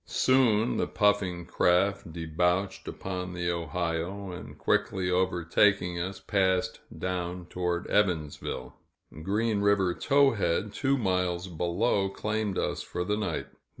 Soon, the puffing craft debouched upon the Ohio, and, quickly overtaking us, passed down toward Evansville. Green River Towhead, two miles below, claimed us for the night.